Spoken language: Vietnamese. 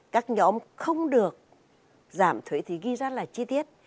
các nhóm không được giảm thuế thì ghi ra là chi tiết